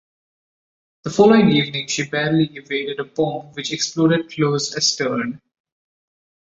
The following evening, she barely evaded a bomb which exploded close astern.